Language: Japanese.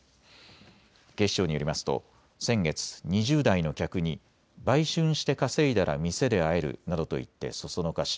警視庁によりますと先月、２０代の客に売春して稼いだら店で会えるなどと言って唆し